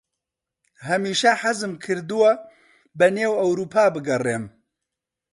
هەمیشە حەزم کردووە بەنێو ئەورووپا بگەڕێم.